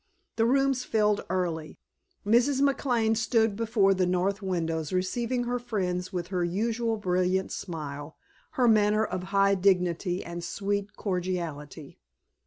The rooms filled early. Mrs. McLane stood before the north windows receiving her friends with her usual brilliant smile, her manner of high dignity and sweet cordiality.